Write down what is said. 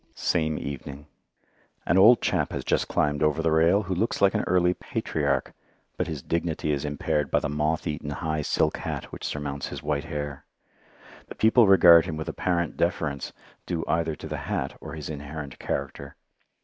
Same evening An old chap has just climbed over the rail, who looks like an early patriarch, but his dignity is impaired by the moth eaten high silk hat which surmounts his white hair. The people regard him with apparent deference, due either to the hat or his inherent character.